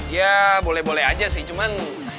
ya boleh boleh aja sih cuman